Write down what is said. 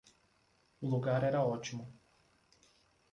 O lugar era ótimo.